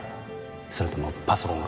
それともパソコンか？